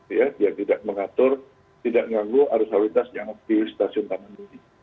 ya dia tidak mengatur tidak mengganggu arus halilintas yang ada di stasiun taman mini